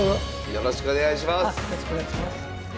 よろしくお願いします。